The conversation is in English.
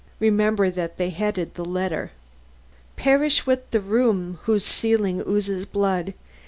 Remember that they headed the letter: _"'Perish with the room whose ceiling oozes blood!